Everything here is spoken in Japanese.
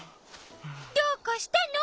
どうかしたの？